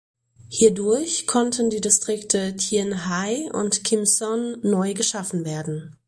Hierdurch konnten die Distrikte Tien Hai und Kim Son neu geschaffen werden.